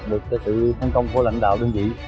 được sự thăng công của lãnh đạo đơn vị